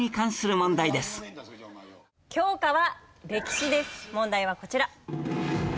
問題はこちら。